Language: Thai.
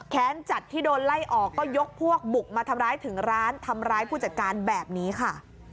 จัดที่โดนไล่ออกก็ยกพวกบุกมาทำร้ายถึงร้านทำร้ายผู้จัดการแบบนี้ค่ะ